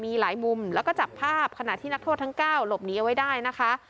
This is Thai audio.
มีหลายมุมแล้วก็จับภาพขณะที่นักโทษทั้ง๙หลบหนีเอาไว้ได้นะคะ